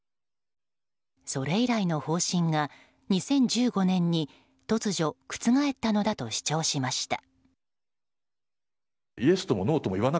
それ以来の方針が２０１５年に突如、覆ったのだと主張しました。